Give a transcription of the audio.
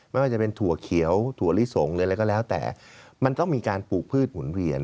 ไม่ว่าจะเป็นถั่วเขียวถั่วลิสงหรืออะไรก็แล้วแต่มันต้องมีการปลูกพืชหมุนเวียน